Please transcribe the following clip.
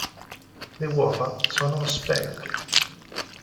Le uova sono sferiche.